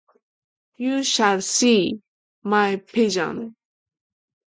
You shall see, my pigeon!